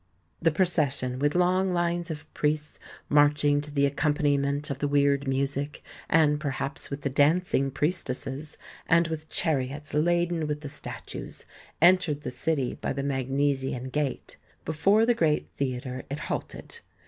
The procession, with long lines of priests marching to the accompaniment of the weird music, and perhaps with the dancing priestesses, and with chariots laden with the statues, entered the city by the Magnesian gate. Before the great theatre it halted.